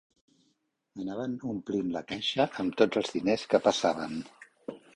Anaven omplint la caixa amb tots els diners que passaven